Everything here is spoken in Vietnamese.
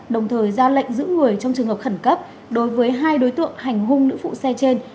đồng thời ra lệnh giữ người trong trường hợp khẩn cấp đối với hai đối tượng hành hung nữ phụ xe trên